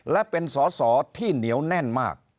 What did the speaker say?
และเป็นสอสอที่เหนียวแน่นมาก